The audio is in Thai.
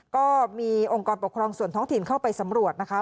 ก็มีองค์กรปกครองส่วนท้องถิ่นเข้าไปสำรวจนะคะ